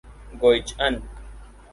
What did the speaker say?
گوئچ ان